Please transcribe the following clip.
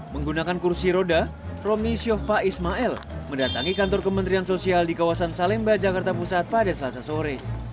menggunakan kursi roda romi shova ismail mendatangi kantor kementerian sosial di kawasan salemba jakarta pusat pada selasa sore